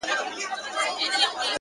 هره ورځ د بدلون نوې دروازه ده,